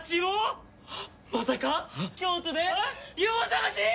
まさか京都でＵＦＯ探し！？